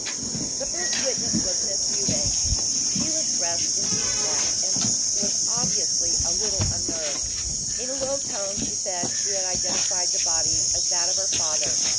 The first witness was Miss Fewbanks. She was dressed in deep black and was obviously a little unnerved. In a low tone she said she had identified the body as that of her father.